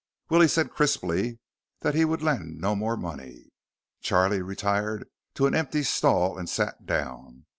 Willie said crisply that he would lend no more money. Charlie retired to an empty stall and sat down.